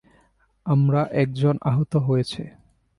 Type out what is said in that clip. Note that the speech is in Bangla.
আমরা একজন আহত হয়েছে।